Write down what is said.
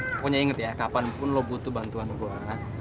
pokoknya inget ya kapanpun lo butuh bantuan gue